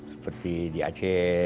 seperti di aceh